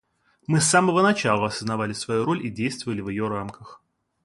Мы с самого начала осознавали свою роль и действовали в ее рамках.